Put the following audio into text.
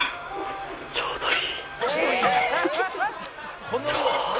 ちょうどいい。最高。